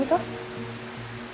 gak ada sarapan gitu